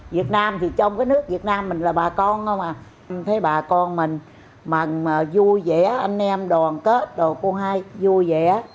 việt nam thì trong cái nước việt nam mình là bà con không à thấy bà con mình mận mà vui vẻ anh em đoàn kết đồ cô hai vui vẻ